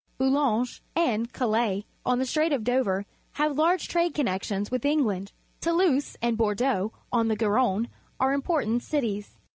Boulogne and Calais on the Strait of Dover have large trade connections with England. Toulouse and Bordeaux on the Garonne are important cities.